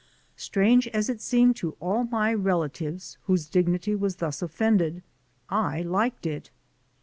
Strange as it seemed to all my relatives whose dignity was thus offended, I liked it.